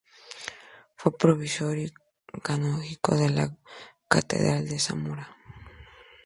Fue provisor y canónigo de la catedral de Zamora.